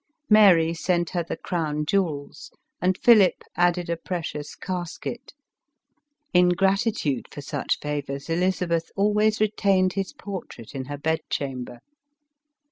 Mary sent her the crown jewels, and Philip added a precious casket ; in gratitude for such favors Elizabeth always retained his 304 ELIZABETH OF ENGLAND. portrait in her bed chamber.